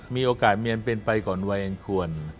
มีโอกาสมีอันเป็นไปก่อนวัยอันควร